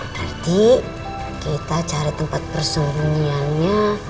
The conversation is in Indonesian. nanti kita cari tempat persembunyiannya